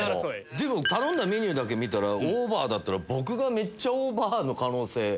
でも頼んだメニューだけ見たらオーバーだったら僕がめっちゃオーバーの可能性。